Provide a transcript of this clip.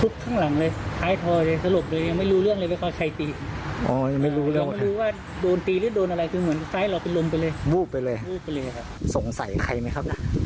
ก็ไม่หน่อยมีผู้หรี่อะไรใคร